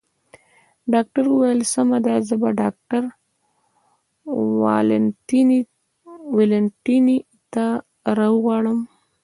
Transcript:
ډاکټر وویل: سمه ده، زه به ډاکټر والنتیني را وغواړم.